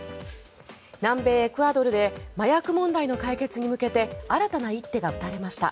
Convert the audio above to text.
南米エクアドルで麻薬問題の解決に向けて新たな一手が打たれました。